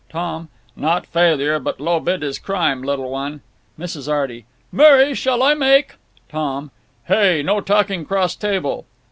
Tom: Not failure, but low bid is crime, little one. Mrs. Arty: Mary, shall I make— Tom: Hey! No talking 'cross table!